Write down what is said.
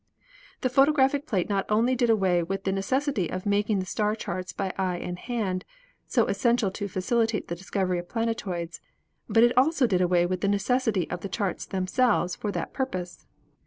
"The photographic plate not only did away with the ne cessity of making the star charts by eye and hand, so essen tial to facilitate the discovery of planetoids, but it also did away with the necessity of the charts themselves for that purpose.